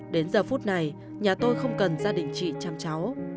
đến giờ phút này nhà tôi không cần gia đình chị chăm cháu